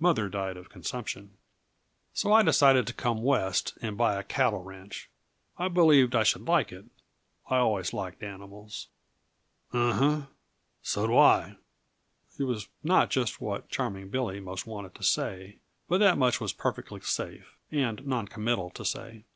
Mother died of consumption. So I decided to come West and buy a cattle ranch. I believed I should like it. I always liked animals." "Uh huh so do I." It was not just what Charming Billy most wanted to say, but that much was perfectly safe, and noncommittal to say.